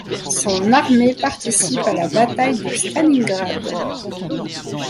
Son armée participe à la bataille de Stalingrad.